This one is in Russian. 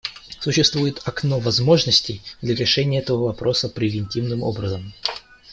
Существует «окно возможностей» для решения этого вопроса превентивным образом.